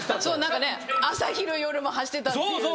何かね朝昼夜も走ってたっていう。